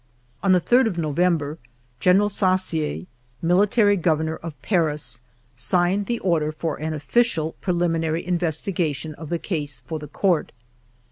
On the 3d of November General Saussier, Military Governor of Paris, signed the order for an official preliminary investigation of the case for the Court.